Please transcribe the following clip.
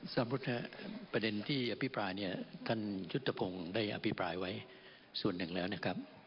สมมุติครับประเด็นที่อภิปรายเนี่ยท่านยุทธพงศ์ได้อภิปรายไว้ส่วนหนึ่งแล้วนะครับ